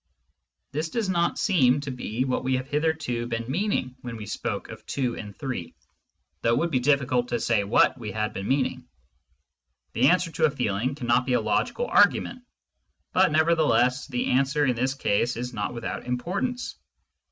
This does not seem to be what we have hitherto been meaning when we spoke of 2 and 3, though it would be difficult to say what we had been meaning. The answer to a feeling cannot be a logical argument, but nevertheless the answer in this case is not without importance.